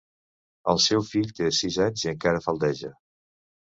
El seu fill té sis anys i encara faldeja.